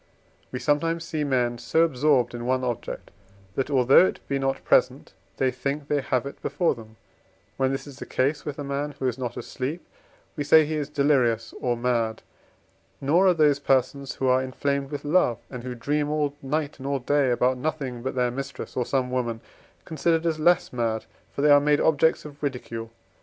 We sometimes see men so absorbed in one object, that, although it be not present, they think they have it before them; when this is the case with a man who is not asleep, we say he is delirious or mad; nor are those persons who are inflamed with love, and who dream all night and all day about nothing but their mistress, or some woman, considered as less mad, for they are made objects of ridicule.